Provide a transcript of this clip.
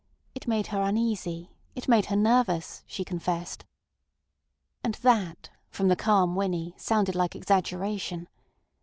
It made her uneasy; it made her nervous, she confessed. And that from the calm Winnie sounded like exaggeration.